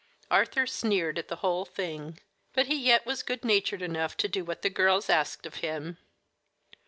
Arthur sneered at the whole thing, but he yet was good natured enough to do what the girls asked of him.